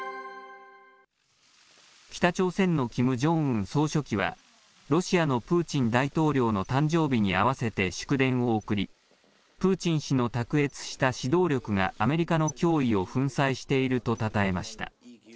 北朝鮮のキム・ジョンウン総書記は、ロシアのプーチン大統領の誕生日に合わせて祝電を送り、プーチン氏の卓越した指導力がアメリカの脅威を粉砕しているとたたえました。